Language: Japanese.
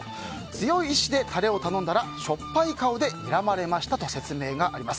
強い意志でタレを頼んだらしょっぱい顔でにらまれましたと説明があります。